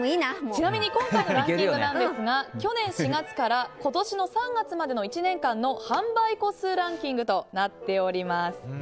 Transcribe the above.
ちなみに今回のランキングですが去年４月から今年の３月までの１年間の販売個数ランキングとなっております。